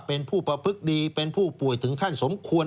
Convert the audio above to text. เป็นผู้ประพฤกษดีเป็นผู้ป่วยถึงขั้นสมควร